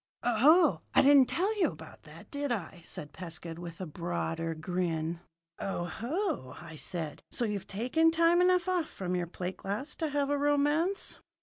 "Oh, I didn't tell you about that, did I?" said Pescud with a broader grin. "O ho!" I said. "So you've taken time enough off from your plate glass to have a romance?"